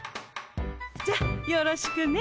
じゃあよろしくね。